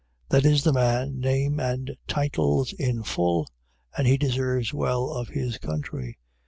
That is the man, name and titles in full, and he deserves well of his country.